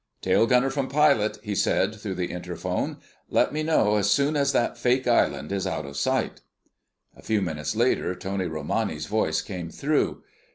"Tail gunner from pilot:" he said through the interphone. "Let me know as soon as that fake island is out of sight." A few minutes later Tony Romani's voice came through.